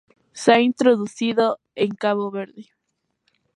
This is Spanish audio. Se ha introducido en Cabo Verde.